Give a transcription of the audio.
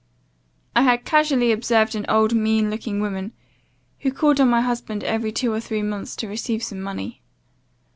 I had casually observed an old, meanlooking woman, who called on my husband every two or three months to receive some money.